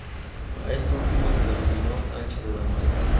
A esto último se denomina ancho de banda.